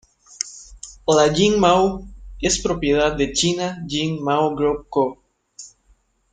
La Jin Mao es propiedad de China Jin Mao Group Co.